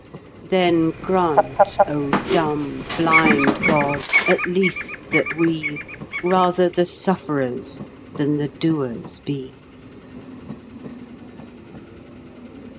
Then grant, O dumb, blind god, at least that we Rather the sufferers than the doers be.